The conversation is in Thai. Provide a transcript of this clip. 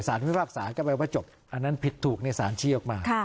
พิพากษาก็แปลว่าจบอันนั้นผิดถูกในสารชี้ออกมา